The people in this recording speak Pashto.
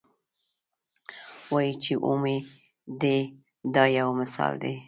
وایي چې اومې دي دا یو مثال دی.